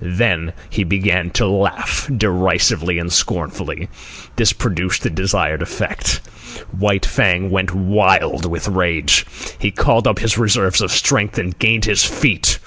Then he began to laugh derisively and scornfully. This produced the desired effect. White Fang went wild with rage. He called up his reserves of strength, and gained his feet.